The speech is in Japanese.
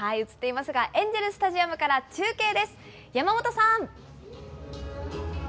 映っていますが、エンジェルスタジアムから、中継です。